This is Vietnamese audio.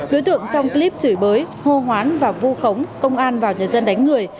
đối tượng trong clip chửi bới hô hoán và vu khống công an vào nhà dân đánh người